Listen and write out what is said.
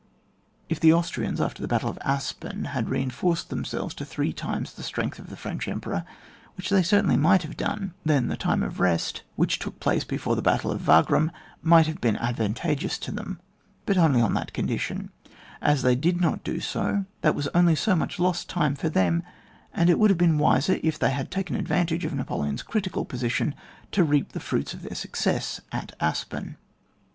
If the Austrians, after the battle of Aspem, had reinforced themselves to three times the strength of the French Emperor, which they certainly miglit have done, then the time of rest whiik took place before the battle of Wagram might have been advantageous to theiD» but only on that condition ; as they did not do so, that was only so much loflt time for them, and it would have been wiser if they had taken advantage of Napoleon's critical position to reap the fruits of their success at Aspem.